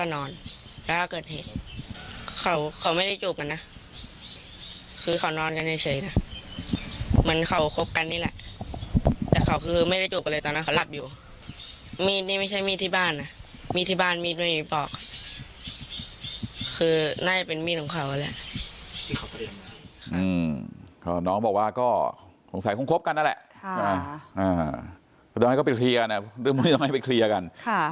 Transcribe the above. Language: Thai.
น้องบอกว่าคงใส่คงครบกันนั่นแหละต้องให้เขาไปเคลียร์กัน